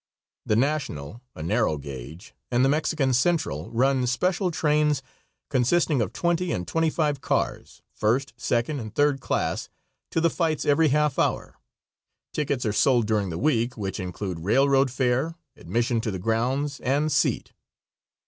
The National a narrow gauge and the Mexican Central, run special trains consisting of twenty and twenty five cars, first, second, and third class, to the fights every half hour. Tickets are sold during the week, which include railroad fare, admission to grounds and seat.